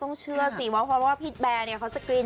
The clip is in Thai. ต้องเชื่อสิเพราะพี่แบร์เค้าสกรีน